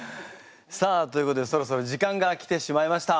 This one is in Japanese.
さあということでそろそろ時間が来てしまいました。